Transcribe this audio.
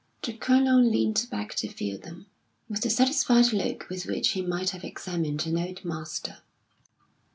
The Colonel leant back to view them, with the satisfied look with which he might have examined an old master.